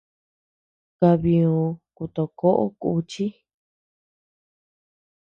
Kabiö kutokoʼo kùchi.